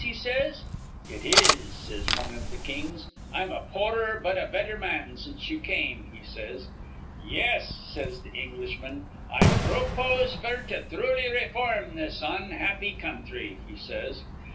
he says. 'It is,' says wan iv th' kings. 'I'm a poorer but a betther man since ye came,' he says. 'Yes,' says th' Englishman, 'I pro pose f'r to thruly rayform this onhappy counthry,' he says.